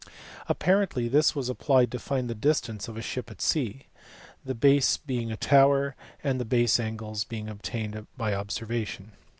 Apparently this was applied to find tl : ;i ship at sea; the base being a tower, and the base angles beini obtained by observation.